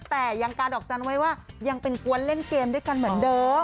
แต่ยังการดอกจันทร์ไว้ว่ายังเป็นกวนเล่นเกมด้วยกันเหมือนเดิม